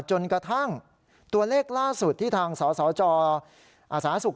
จนกระทั่งตัวเลขล่าสุดที่ทางสสจสาธารณสุข